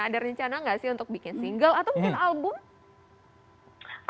ada rencana nggak sih untuk bikin single atau mungkin album